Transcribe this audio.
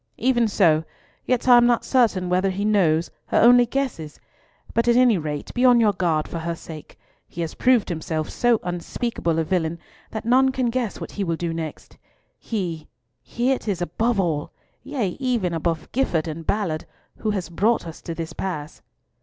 "Even so. Yet I am not certain whether he knows or only guesses; but at any rate be on your guard for her sake. He has proved himself so unspeakable a villain that none can guess what he will do next. He—he it is above all—yea, above even Gifford and Ballard, who has brought us to this pass."